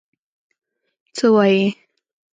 څه وايې؟